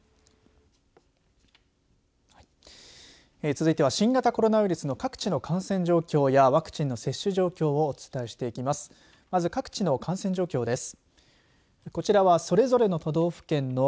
続いては新型コロナウイルスの各地の感染状況やワクチンの接種状況をお伝えします。